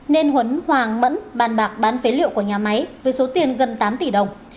nên huấn hoàng mẫn bàn bạc bán phế liệu của nhà máy với số tiền gần tám tỷ đồng